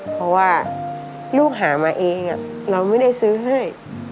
เพราะว่าลูกหามาเองเราไม่ได้ซื้อให้